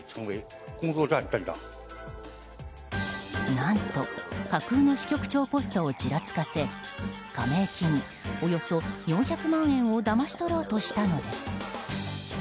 何と、架空の支局長ポストをちらつかせ加盟金およそ４００万円をだまし取ろうとしたのです。